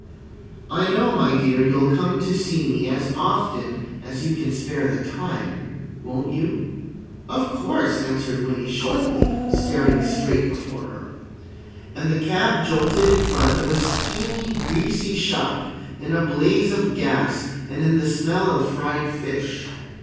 "I know, my dear, you'll come to see me as often as you can spare the time. Won't you?" "Of course," answered Winnie shortly, staring straight before her. And the cab jolted in front of a steamy, greasy shop in a blaze of gas and in the smell of fried fish.